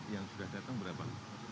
yang sudah datang berapa